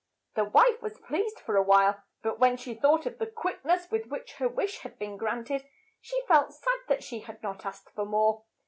The wife was pleased for a while, but when she thought of the quick ness with which her wish had been grant ed, she felt sad that she had not asked for more.